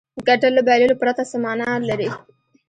ګټل له بایللو پرته څه معنا لري.